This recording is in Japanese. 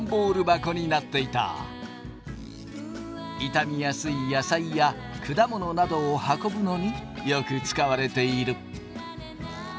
傷みやすい野菜や果物などを運ぶのによく使われている。